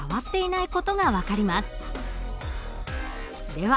では